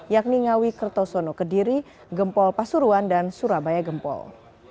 yakni ngawi kertosono kediri gempol pasuruan dan surabaya gempol